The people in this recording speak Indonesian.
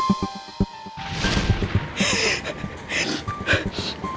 ada yang nyenyurangin mas jaka dan aku gak tahu masalah itu